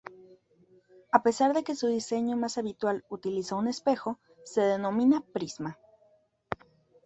A pesar de que su diseño más habitual utiliza un "espejo", se denomina "prisma".